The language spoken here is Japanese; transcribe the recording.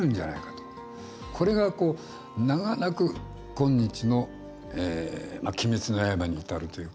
これが長らく今日の「鬼滅の刃」に至るというか。